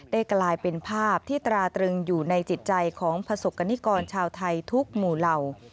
กลายเป็นภาพที่ตราตรึงอยู่ในจิตใจของประสบกรณิกรชาวไทยทุกหมู่เหล่า